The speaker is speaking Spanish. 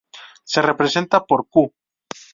Se representa por "Q".